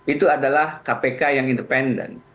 itu adalah kpk yang independen